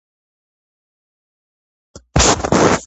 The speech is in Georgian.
მთავარი ქალაქი იყო აოსტა.